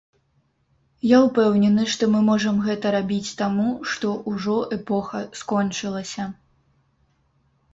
Я ўпэўнены, што мы можам гэта рабіць таму, што ўжо эпоха скончылася.